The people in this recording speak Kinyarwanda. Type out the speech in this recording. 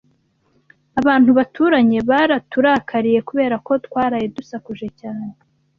Abantu baturanye baraturakariye kubera ko twaraye dusakuje cyane.